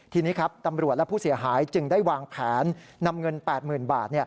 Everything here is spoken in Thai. ทีนี้ครับตำรวจและผู้เสียหายจึงได้วางแผนนำเงิน๘๐๐๐บาท